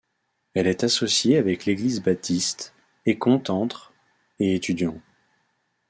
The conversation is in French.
Elle est associée avec l'Église baptiste, et compte entre et étudiants.